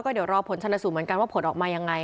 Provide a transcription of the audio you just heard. เดี๋ยวรอผลชนสูตรเหมือนกันว่าผลออกมายังไง